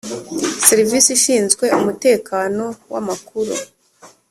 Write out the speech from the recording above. serivisi ishinzwe umutekano w amakuru